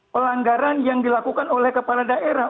pelanggaran yang dilakukan oleh kepala daerah